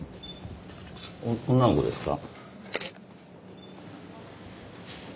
女の子ですか？